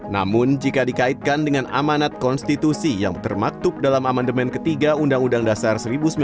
namun jika dikaitkan dengan amanat konstitusi yang termaktub dalam amandemen ketiga undang undang dasar seribu sembilan ratus empat puluh